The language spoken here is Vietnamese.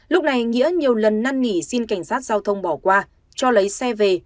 lúc này nghĩa nhiều lần năn nỉ xin cảnh sát giao thông bỏ qua cho lấy xe về